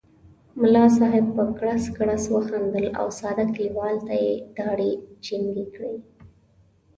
ملا صاحب په کړس کړس وخندل او ساده کلیوال ته یې داړې جینګې کړې.